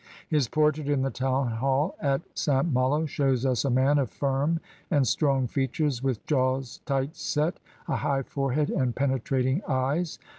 His portrait in the town hall at St. Malo shows us a man of firm and strong features with jaws tight set, a high forehead, and penetrating eyes.